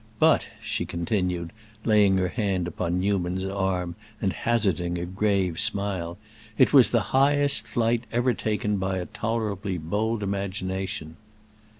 But," she continued, laying her hand upon Newman's arm and hazarding a grave smile, "it was the highest flight ever taken by a tolerably bold imagination!"